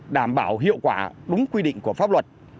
đảm bảo hiệu quả đúng quy định của pháp luật